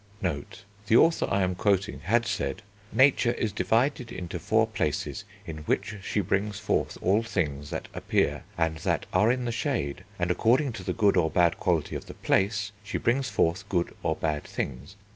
The author I am quoting had said "Nature is divided into four 'places' in which she brings forth all things that appear and that are in the shade; and according to the good or bad quality of the 'place,' she brings forth good or bad things....